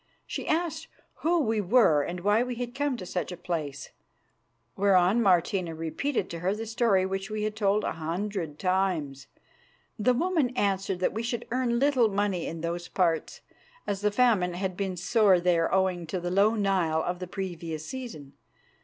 She asked who we were and why we had come to such a place, whereon Martina repeated to her the story which we had told a hundred times. The woman answered that we should earn little money in those parts, as the famine had been sore there owing to the low Nile of the previous season.